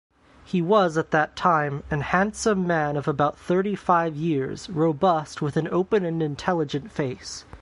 He was, at that time, an handsome man of about thirty-five years, robust, with an open and intelligent face.